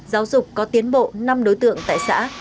giáo dục có tiến bộ năm đối tượng tại xã